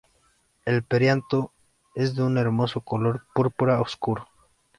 El perianto es de un hermoso color púrpura oscuro.